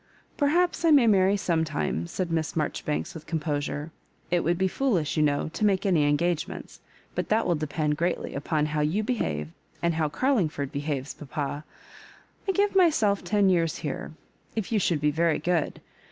" Perhaps I may marry some time," said Miss Marjoribanks, with composure; "it would bo foolish, you know, to make any engagements; but that will depend greatly upon how you be have, and how Oarlingford behaves, papa. I give myself ten years here, if you should be very good.